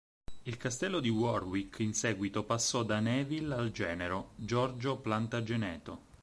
Il castello di Warwick in seguito passò da Neville al genero, Giorgio Plantageneto.